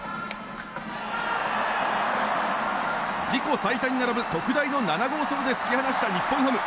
自己最多に並ぶ特大の７号ソロで突き放した日本ハム。